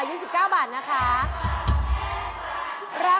มันตัวช่วยไปแล้ว